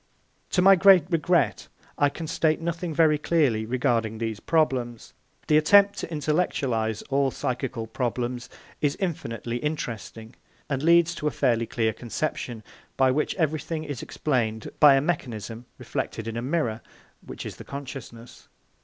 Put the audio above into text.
To my great regret I can state nothing very clear regarding these problems. The attempt to intellectualise all psychical problems is infinitely interesting, and leads to a fairly clear conception, by which everything is explained by a mechanism reflected in a mirror, which is the consciousness.